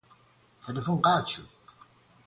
تلفن قطع شد.